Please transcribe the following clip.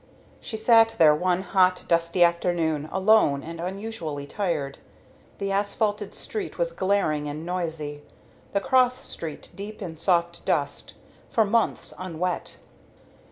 She sat there one hot, dusty afternoon, alone and unusually tired. The asphalted street was glaring and noisy, the cross street deep in soft dust, for months unwet.